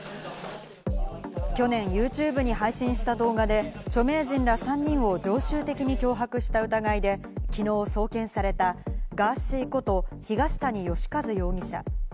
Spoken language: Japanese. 去年ＹｏｕＴｕｂｅに配信した動画で著名人ら３人を常習的に脅迫した疑いで、きのう送検されたガーシーこと東谷義和容疑者。